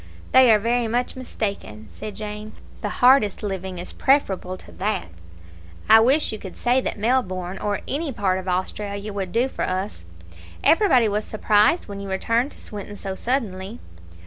"They are very much mistaken," said Jane; "the hardest living is preferable to that. I wish you could say that Melbourne, or any part of Australia, would do for us. Everybody was surprised when you returned to Swinton so suddenly."